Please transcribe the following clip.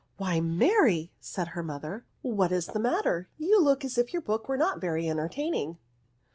" Why, Mary !" said her mother, "what is the matter ? you look as if your book were not very entertaining."